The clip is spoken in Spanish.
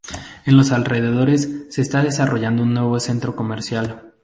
En los alrededores, se está desarrollando un nuevo centro comercial.